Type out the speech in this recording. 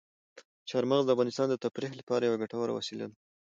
چار مغز د افغانانو د تفریح لپاره یوه ګټوره وسیله ده.